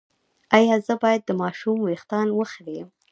ایا زه باید د ماشوم ویښتان وخرییم؟